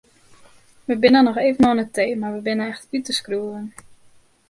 We binne noch even oan de tee mar we binne echt út de skroeven.